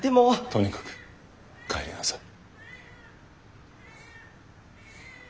とにかく帰りなさい。